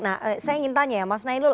nah saya ingin tanya ya mas nailul